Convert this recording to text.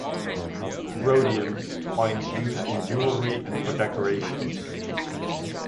Rhodium finds use in jewelry and for decorations.